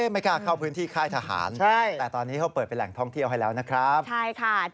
ไม่กล้าเข้าพื้นที่ค่ายทหารแต่ตอนนี้เขาเปิดเป็นแหล่งท่องเที่ยวให้แล้วนะครับใช่ค่ะ